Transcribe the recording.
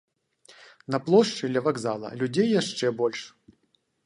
На плошчы, ля вакзала, людзей яшчэ больш.